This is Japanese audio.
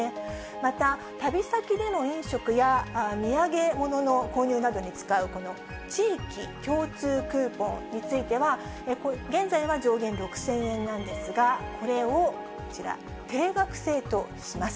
また、旅先での飲食や土産物の購入などに使う、この地域共通クーポンについては、現在は上限６０００円なんですが、これをこちら、定額制とします。